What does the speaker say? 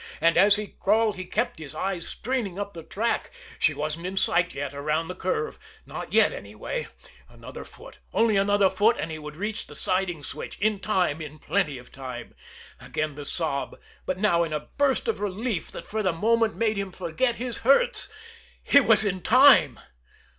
And as he crawled, he kept his eyes strained up the track she wasn't in sight yet around the curve not yet, anyway. Another foot, only another foot, and he would reach the siding switch in time in plenty of time. Again the sob but now in a burst of relief that, for the moment, made him forget his hurts. He was in time!